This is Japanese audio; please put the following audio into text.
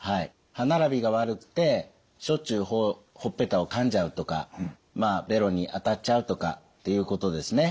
歯並びが悪くてしょっちゅうほっぺたをかんじゃうとかべろに当たっちゃうとかっていうことですね。